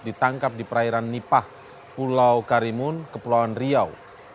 ditangkap di perairan nipah pulau karimun kepulauan riau